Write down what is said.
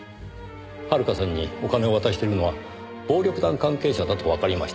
遥さんにお金を渡してるのは暴力団関係者だとわかりました。